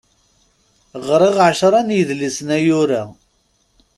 Ɣriɣ ɛecra n yidlisen ayyur-a.